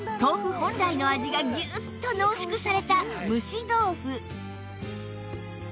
本来の味がギュッと濃縮された蒸し豆腐